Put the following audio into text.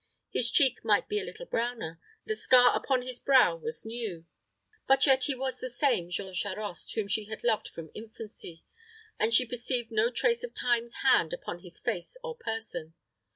His cheek might be a little browner; the scar upon his brow was new; but yet he was the same Jean Charost whom she had loved from infancy, and she perceived no trace of Time's hand upon his face or person.